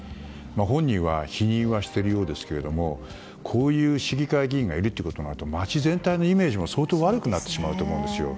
本人は否定していますがこういう市議会議員がいるとなると町全体のイメージも相当悪くなってしまうと思うんですよ。